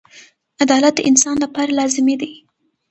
• عدالت د انسان لپاره لازمي دی.